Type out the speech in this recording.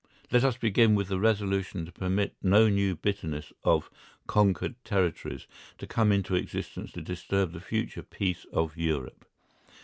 Let us begin with the resolution to permit no new bitterness of "conquered territories" to come into existence to disturb the future peace of Europe.